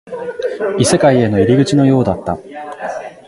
異世界への入り口のようだった